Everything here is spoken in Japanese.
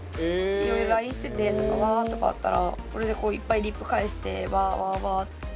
いろいろＬＩＮＥしててとかワーとかあったらこれでいっぱいリプ返してワーワーワーって。